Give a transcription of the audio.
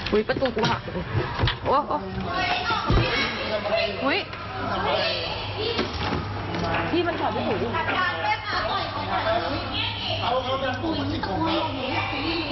อุ๊ยพี่มันชอบให้ถูกด้วย